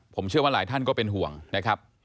ผมเชื่อว่าหลายท่านก็เป็นห่วงนะครับ